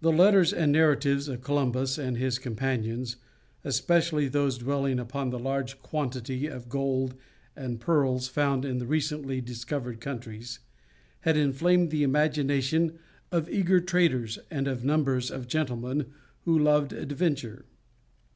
The letters and narratives of Columbus and his companions, especially those dwelling upon the large quantity of gold and pearls found in the recently discovered countries, had inflamed the imagination of eager traders, and of numbers of gentlemen who loved adventure.